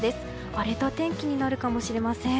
荒れた天気になるかもしれません。